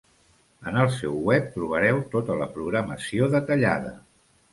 En el seu web trobareu tota la programació detallada.